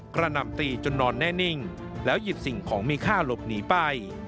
หนำตีจนนอนแน่นิ่งแล้วหยิบสิ่งของมีค่าหลบหนีไป